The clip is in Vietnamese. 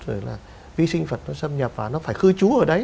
rồi là vi sinh vật nó xâm nhập vào nó phải khư trú ở đấy